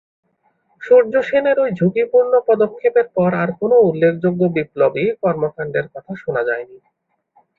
সূর্যসেনের ওই ঝুঁকিপূর্ণ পদক্ষেপের পর আর কোনো উল্লেখযোগ্য বিপ্লবী কর্মকান্ডের কথা শোনা যায় নি।